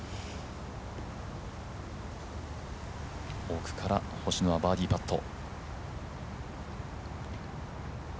奥から星野はバーディーパット。